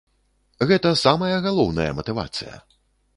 Гэта самая галоўная матывацыя.